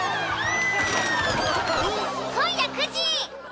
今夜９時。